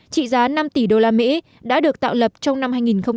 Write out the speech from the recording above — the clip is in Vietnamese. trị giá năm tỷ usd đã được tạo lập trong năm hai nghìn một mươi tám